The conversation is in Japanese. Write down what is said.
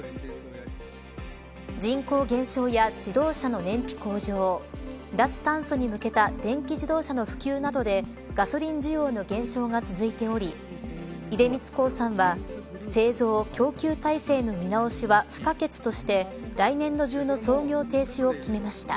人口減少や自動車の燃費向上脱炭素に向けた電気自動車の普及などでガソリン需要の減少が続いており出光興産は、製造、供給体制の見直しは不可欠として来年度中の操業の停止を決めました。